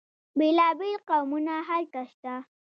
بیلا بیل قومونه هلته شته.